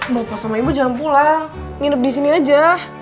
bapak sama ibu jangan pulang nginep disini aja